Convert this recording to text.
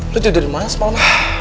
lo tidur dimana semalem